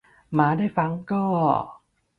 หมาได้ฟังก็